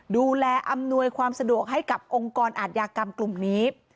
อำนวยความสะดวกให้กับองค์กรอาทยากรรมกลุ่มนี้